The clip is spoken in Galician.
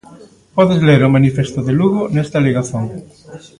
Podes ler o Manifesto de Lugo nesta ligazón.